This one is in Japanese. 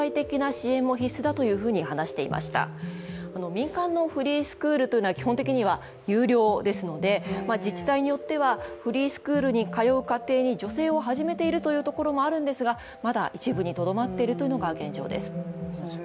民間のフリースクールというのは基本的には有料ですので自治体によってはフリースクールに通う家庭に助成を始めているというところもあるんですがまだ一部にとどまっているというのが現状です